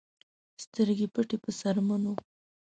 سترګې پټې په څرمنو